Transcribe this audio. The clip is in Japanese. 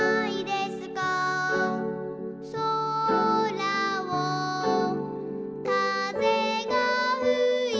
「そらをかぜがふいて」